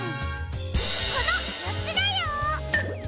このよっつだよ！